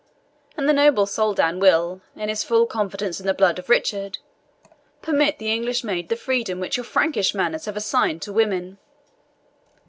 And the noble Soldan will, in his full confidence in the blood of Richard, permit the English maid the freedom which your Frankish manners have assigned to women.